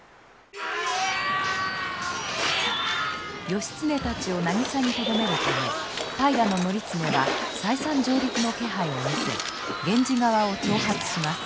義経たちをなぎさにとどめるため平教経は再三上陸の気配を見せ源氏側を挑発します。